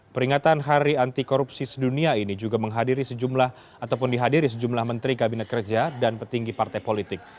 peringatan hari anti korupsi sedunia ini juga menghadiri sejumlah ataupun dihadiri sejumlah menteri kabinet kerja dan petinggi partai politik